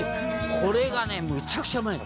これがねむちゃくちゃうまいの」